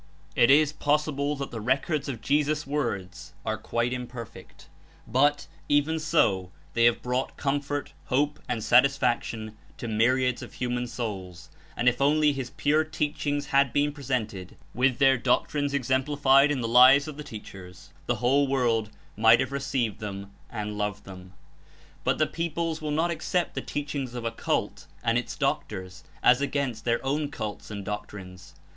It is possible that the records of Jesus' words are quite imperfect, but, even so, they have brought com fort, hope and satisfaction to myriads of human souls, and if only his pure teachings had been presented, with their doctrines exemplified in the lives of the teachers, the whole world might have received them and loved them; but the peoples will not accept the teachings of a "cult" and Its doctors as against their own cults and doctrines.